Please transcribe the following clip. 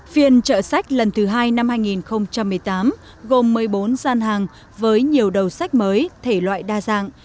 phiên trợ sách lần thứ hai năm hai nghìn một mươi tám gồm một mươi bốn gian hàng với nhiều đầu sách mới thể loại đa dạng